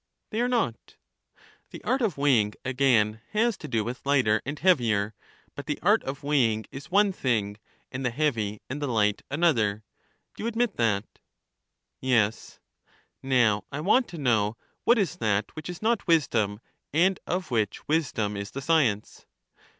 They are not. The art of weighing, again, has to do with lighter and heavier ; but the art of weighing is one thing, and the heavy and the light another. Do you admit that? Yes. Now, I want to know, what is that which is not wisdom, and of which wisdom is the science?